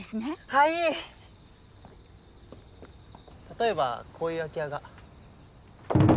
例えばこういう空き家が。